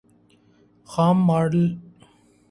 خام مال پر ٹیکسز ڈیوٹیز کو مرحلہ وار ختم کیا جائے گا مشیر تجارت